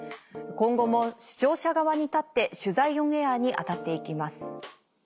今後も視聴者側に立って取材オンエアに当たって行きます」。